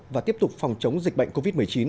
và tiếp tục phòng chống dịch bệnh covid một mươi chín